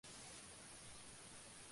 Entonces retorna la alegría y la felicidad.